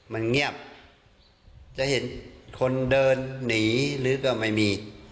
มันเงียบจะเห็นคนเดินหนีหรือก็ไม่มี